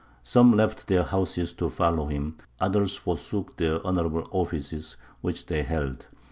Some left their houses to follow him, others forsook their honourable offices which they held.